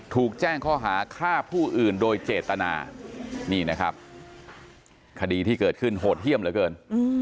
ถูกแจ้งข้อหาฆ่าผู้อื่นโดยเจตนานี่นะครับคดีที่เกิดขึ้นโหดเยี่ยมเหลือเกิน